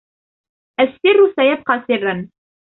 السر سيبقى سراً.